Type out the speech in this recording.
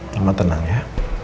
cuma tenang ya